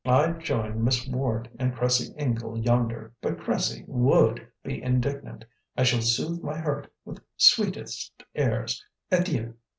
I'd join Miss Ward and Cressie Ingle yonder, but Cressie WOULD be indignant! I shall soothe my hurt with SWEETEST airs. Adieu."